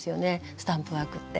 スタンプワークって。